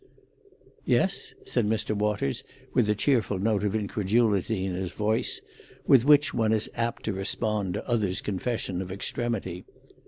"Yes?" said Mr. Waters, with the cheerful note of incredulity in his voice with which one is apt to respond to others' confession of extremity.